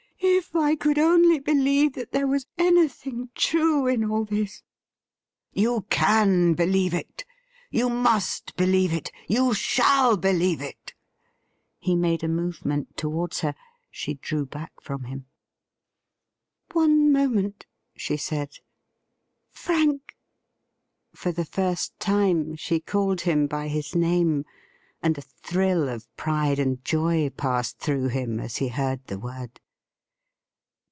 ' If I could only believe that there was anything true in all this !' 'You can believe it; you must believe it; you shall believe it !' He made a movement towards her. She drew back from him. .' One moment,' she said. ' Frank '— for the first time she called him by his name, and a thrill of pride and joy passed through him as he heard the word.